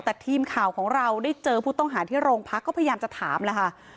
แต่ทีมข่าวของเราได้เจอผู้ต้องหาที่โรงพักก็พยายามจะถามแล้วค่ะ